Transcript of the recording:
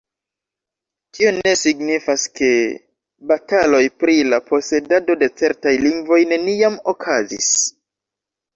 Tio ne signifas ke bataloj pri la posedado de certaj lingvoj neniam okazis